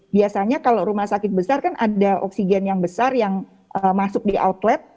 biasanya kalau rumah sakit besar kan ada oksigen yang besar yang masuk di outlet